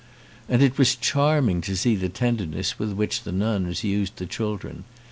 And it was charming to see the tenderness with which the nuns used the children.